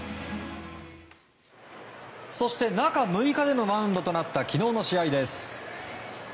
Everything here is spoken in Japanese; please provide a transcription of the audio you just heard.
中６日でのマウンドとなった昨日の試合です。